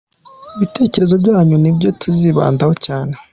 Ibitekerezo byanyu ni byo tuzibandaho cyane.